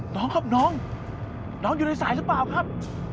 น้องครับน้องน้องอยู่ในสายหรือเปล่าครับ